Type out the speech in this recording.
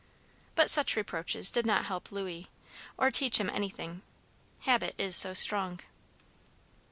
But such reproaches did not help Louis, or teach him anything. Habit is so strong.